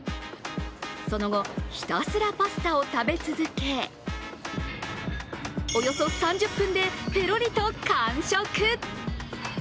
その後、ひたすらパスタを食べ続け、およそ３０分でぺろりと完食。